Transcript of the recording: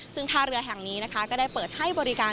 ซึ่งท่าเรือแห่งนี้นะคะก็ได้เปิดให้บริการ